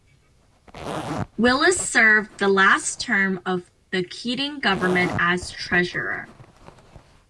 Willis served the last term of the Keating government as Treasurer.